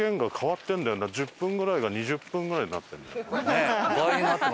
「１０分ぐらい」が「２０分ぐらい」になってるんだよな。